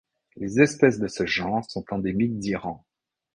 Les espèces de ce genre sont endémiques d'Iran.